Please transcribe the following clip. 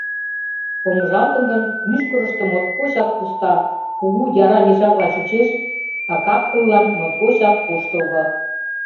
Помыжалтын гын, мӱшкырыштӧ моткочак пуста, кугу, яра мешакла чучеш, а кап-кыллан моткочак куштылго.